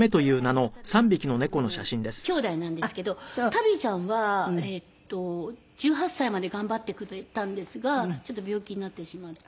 タビーちゃんは１８歳まで頑張ってくれたんですがちょっと病気になってしまって。